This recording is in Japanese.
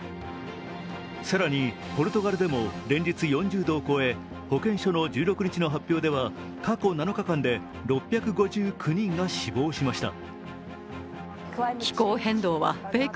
更にポルトガルでも連日４０度を超え保健所の１６日の発表では、過去７日間で６５９人が死亡しました。